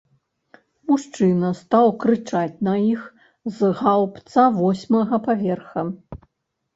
Мужчына стаў крычаць на іх з гаўбца восьмага паверха.